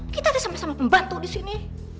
kita ada sama sama pembantu di sini